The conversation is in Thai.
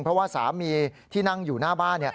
เพราะว่าสามีที่นั่งอยู่หน้าบ้าน